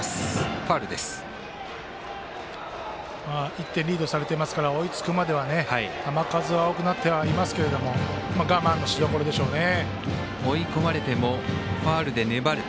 １点リードされてますから追いつくまでは球数は多くなってはいますけど我慢のしどころでしょうね。